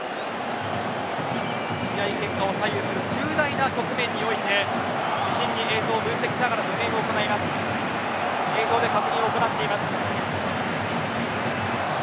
試合結果を左右する重要な局面において主審が映像を分析しながら行います。